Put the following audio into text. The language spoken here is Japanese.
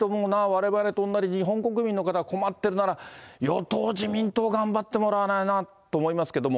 われわれと同じ、日本国民の方困ってるなら、与党・自民党、頑張ってもらわないとなと思いますけど。